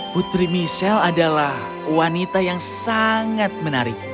putri michelle adalah wanita yang sangat menarik